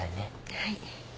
はい。